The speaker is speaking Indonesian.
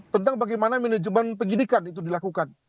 tentang bagaimana manajemen penyidikan itu dilakukan